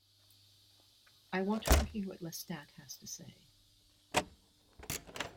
I want to hear what Lestat has to say.